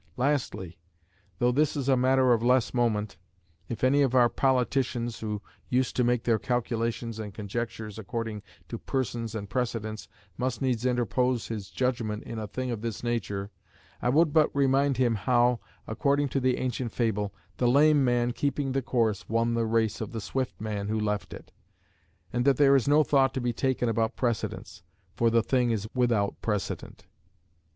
Lastly though this is a matter of less moment if any of our politicians, who used to make their calculations and conjectures according to persons and precedents, must needs interpose his judgment in a thing of this nature, I would but remind him how (according to the ancient fable) the lame man keeping the course won the race of the swift man who left it; and that there is no thought to be taken about precedents, for the thing is without precedent.